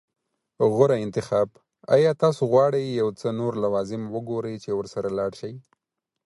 غوره انتخاب. ایا تاسو غواړئ یو څه نور لوازم وګورئ چې ورسره لاړ شئ؟